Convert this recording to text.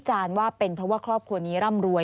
ว่าเป็นเพราะว่าครอบครัวนี้ร่ำรวย